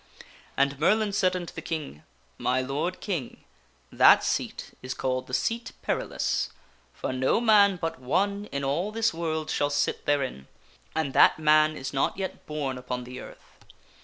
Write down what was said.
And Merlin said unto the King: "My lord King, that seat is called the Seat Perilous, for no man but one in all this world shall sit therein, and that man is not yet born upon the earth.